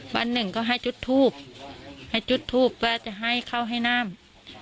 วันหนึ่งก็ให้จุดทูบให้จุดทูปก็จะให้เข้าให้น้ำ